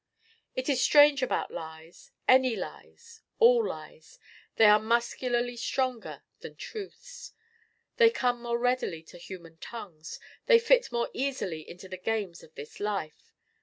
It is strange about lies any lies, all lies. They are muscularly stronger than truths. They come more readily to human tongues. They fit more easily into the games of this life.